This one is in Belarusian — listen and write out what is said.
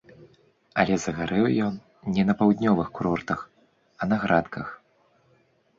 Але загарэў ён не на паўднёвых курортах, а на градках!